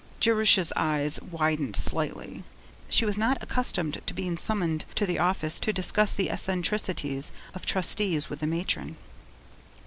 Jerusha's eyes widened slightly; she was not accustomed to being summoned to the office to discuss the eccentricities of Trustees with the matron.